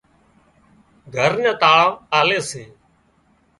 گھر نين تاۯان آلي سي